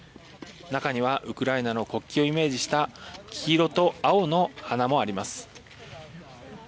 中にはウクライナの国旗をイメージした黄色と青の花もあります。